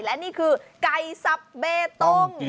และนี่คือไก่สับเบตง